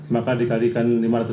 maka dikalikan lima ratus empat belas